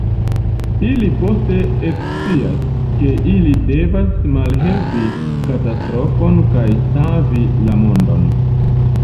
Ili poste ekscias, ke ili devas malhelpi katastrofon kaj savi la mondon.